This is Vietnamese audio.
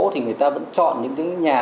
thì người ta vẫn chọn những cái nhà